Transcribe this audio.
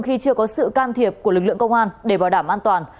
khi chưa có sự can thiệp của lực lượng công an để bảo đảm an toàn